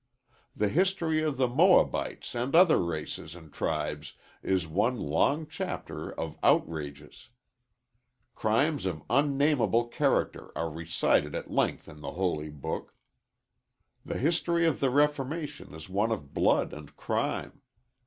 The history of the Moabites and other races and tribes is one long chapter of outrages. Crimes of unnamable character are recited at length in the Holy Book. The history of the reformation is one of blood and crime.